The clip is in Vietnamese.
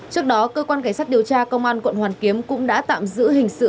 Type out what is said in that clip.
trước đó cơ quan cảnh sát điều tra công an quận hoàn kiếm cũng đã tạm giữ hình sự